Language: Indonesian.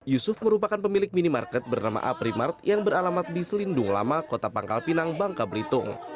yusuf merupakan pemilik minimarket bernama a primart yang beralamat di selindung lama kota pangkal pinang bangka belitung